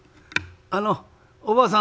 あのおばあさん